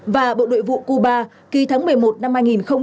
và bộ nội vụ cuba kỳ tháng một mươi một năm hai nghìn một mươi bảy